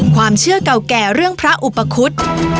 ความเชื่อเก่าแก่เรื่องพระอุปคุฎ